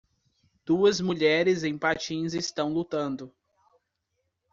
Duas mulheres em patins estão lutando.